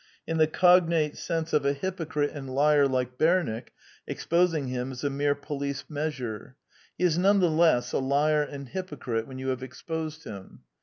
In the cognate case of a hypocrite and liar like Bernick, exposing him is a mere police measure : he is none the less a liar and hypocrite when you have exposed him.